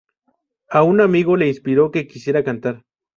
A un amigo le inspiró que quisiera cantar.